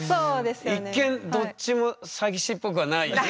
一見どっちも詐欺師っぽくはないね。